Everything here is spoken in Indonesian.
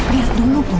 lihat dulu bu